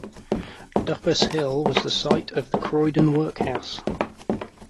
Duppas Hill was the site of the Croydon workhouse.